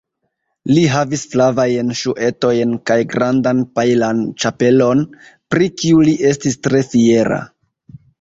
Li havis flavajn ŝuetojn kaj grandan pajlan ĉapelon, pri kiu li estis tre fiera.